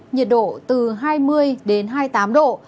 nhiệt độ từ hai mươi hai mươi tám độ